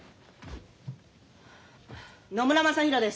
野村正浩です。